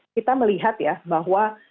kita melihat ya bahwa